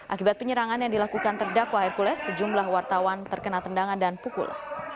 akibat penyerangan yang dilakukan terdakwa hercules sejumlah wartawan terkena tendangan dan pukul